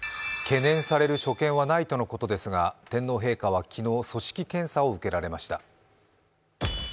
懸念される所見はないとのことですが天皇陛下は昨日、組織検査を受けられました。